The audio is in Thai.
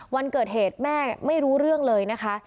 วันเกิดเหตุแม่ไม่รู้เรื่องเลยนะคะ